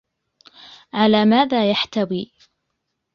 على ماذا يحتوي ؟